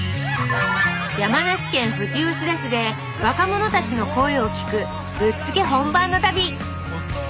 山梨県富士吉田市で若者たちの声を聴くぶっつけ本番の旅。